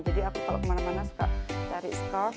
jadi aku kalau kemana mana suka cari scarf